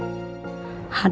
kau bisa berjaga jaga sama mama